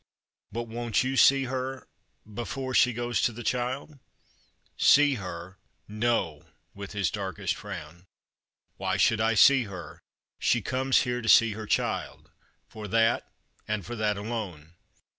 But won't you see her — before she goes to the child ?"" See her ? No !" with his darkest frown. " Why should I see her ? She comes here to see her child — for that and for that alone.